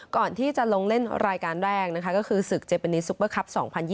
ก่อนที่จะลงเล่นรายการแรกนะคะก็คือศึกเจเปนิซุปเปอร์คลับ๒๐๒๐